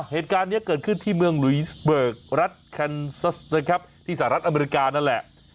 เหตุการณ์นี้เกิดขึ้นที่เมืองลุยสเบิกรัฐแคนซัสนะครับที่สหรัฐอเมริกานั่นแหละ